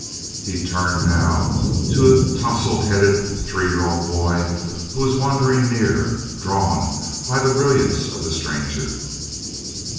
He turned now to a tousle headed three year old boy who was wandering near, drawn by the brilliance of the stranger.